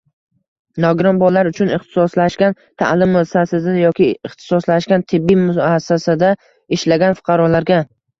Nogiron bolalar uchun ixtisoslashgan ta’lim muassasasida yoki ixtisoslashgan tibbiy muassasada ishlagan fuqarolarga